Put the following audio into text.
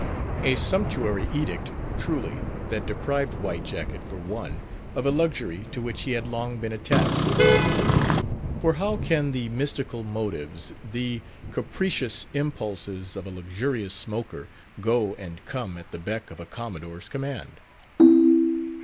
A sumptuary edict, truly, that deprived White Jacket, for one, of a luxury to which he had long been attached. For how can the mystical motives, the capricious impulses of a luxurious smoker go and come at the beck of a Commodore's command?